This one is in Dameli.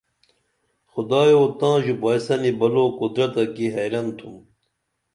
خدایو تاں ژُپائسنی بلو قدرت تہ کی حیرن تُھم